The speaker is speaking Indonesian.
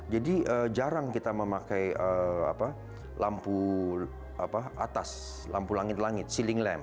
jadi jarang kita memakai lampu atas lampu langit langit ceiling lamp